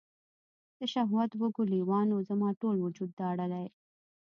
د شهوت وږو لیوانو، زما ټول وجود داړلي